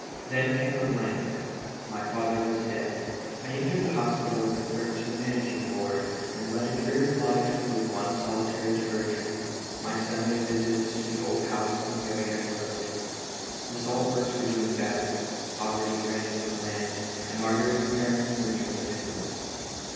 Then came a blank, my father was dead. I entered the hospital as clerk to the managing board and led a dreary life with one solitary diversion: my Sunday visits to the old house on the Piriac road. The salt works were doing badly ; poverty reigned in the land, and Marguerite's parents were nearly penniless.